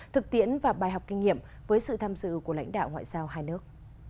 thực tiễn và bài học kinh nghiệm với sự tham dự của lãnh đạo ngoại giao hai nước